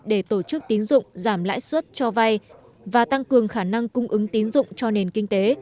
để tổ chức tiến dụng giảm lãi suất cho vai và tăng cường khả năng cung ứng tiến dụng cho nền kinh tế